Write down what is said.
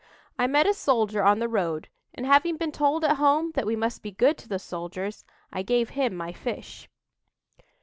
I met a soldier on the road, and, having been told at home that we must be good to the soldiers, I gave him my fish."